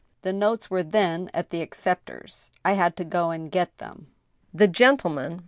The notes were then at the acceptor's; I had to go and get them. The gentleman